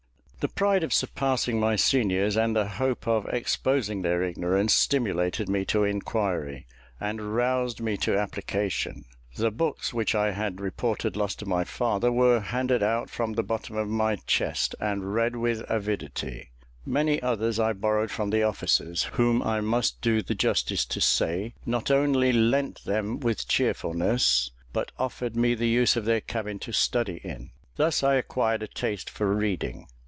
The pride of surpassing my seniors, and the hope of exposing their ignorance, stimulated me to inquiry, and roused me to application. The books which I had reported lost to my father, were handed out from the bottom of my chest, and read with avidity: many others I borrowed from the officers, whom I must do the justice to say, not only lent them with cheerfulness, but offered me the use of their cabin to study in. Thus I acquired a taste for reading.